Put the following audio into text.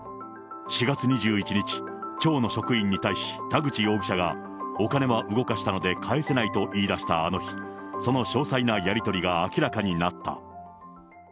４月２１日、町の職員に対し田口容疑者が、お金は動かしたので、返せないと言い出したあの日、その詳細なやり取りが明らかになった。